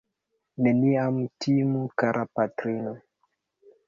Neniam timu, kara patrino!